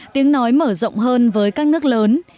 tiếng nói mở rộng hơn với các nước lớn